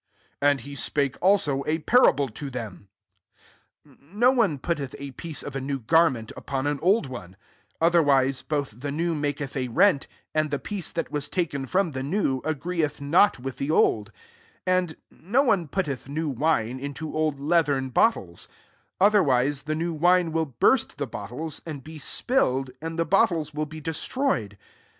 '' 36 And he spake also a para* ble to them z ^ No one putteth a piece of a new garment upon an old one: otherwise, both the new maketh a rent, and [^iht fiieee] that was taken from the new agreeth not with the old 37 And no one putteth new wine into old leathern bottles : otherwise* the new wine will burat the bottles, and be spilled, and the bottles will be destroy ed.